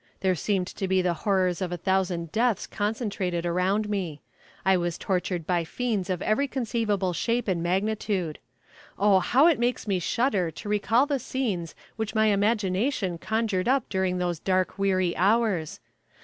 There seemed to be the horrors of a thousand deaths concentrated around me; I was tortured by fiends of every conceivable shape and magnitude. Oh, how it makes me shudder to recall the scenes which my imagination conjured up during those dark weary hours!